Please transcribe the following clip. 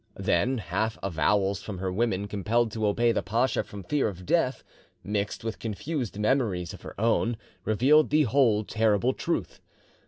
Then, half avowals from her women, compelled to obey the pacha from fear of death, mixed with confused memories of her own, revealed the whole terrible truth.